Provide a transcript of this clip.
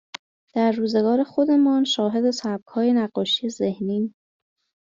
در روزگار خودمان شاهد سبکهای نقاشی ذهنی